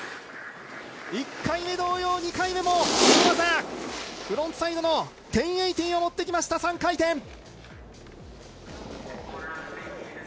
１回目同様、２回目もフロントサイドの１０８０を持ってきました３回転！